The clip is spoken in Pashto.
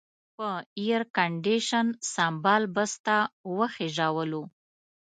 په ایرکنډېشن سمبال بس ته وخېژولو.